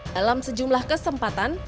dalam sejumlah kesempatan